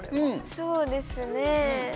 そうですね。